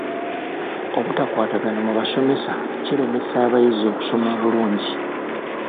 Obutakwatagana mu basomesa kilemesa abayizi okusoma obulungi.